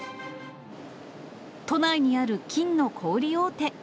都内にある金の小売り大手。